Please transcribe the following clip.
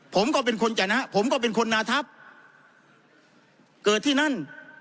ผมก็เป็นคนจนะผมก็เป็นคนนาทัพเกิดที่นั่น